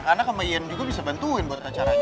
karena sama ian juga bisa bantuin buat acaranya